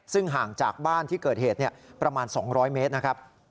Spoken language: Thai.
ซึ่งห่างจากบ้านที่เกิดเหตุประมาณ๒๐๐เมตรนะครับ